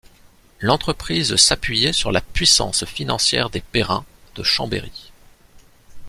L'entreprise s'appuyait sur la puissance financière des Perrin, de Chambéry.